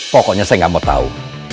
pokoknya saya gak mau tau